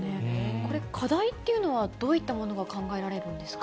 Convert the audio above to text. これ、課題っていうのは、どういったものが考えられるんですか。